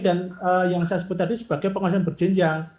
dan yang saya sebut tadi sebagai pengawasan berjinjang